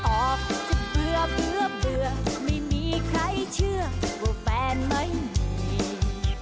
ออกจะเบื่อไม่มีใครเชื่อว่าแฟนไม่มี